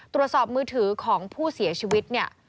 ตรวจสอบมือถือของผู้เสียชีวิตเนี่ย